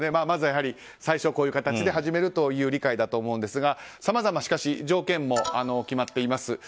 まずは、最初はこういう形で始めるという理解だと思うんですがさまざま、しかし条件も決まっています。